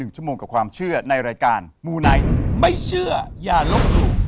ชั่วโมงกับความเชื่อในรายการมูไนท์ไม่เชื่ออย่าลบหลู่